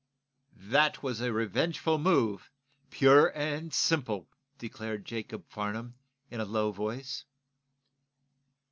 "That was a revengeful move, pure and simple," declared Jacob Farnum, in a low voice.